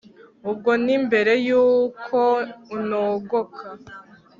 ubwo ni mbere y'uko unogoka